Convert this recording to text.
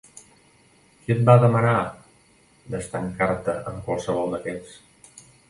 Qui et va demanar d'estancar-te amb qualsevol d'aquests?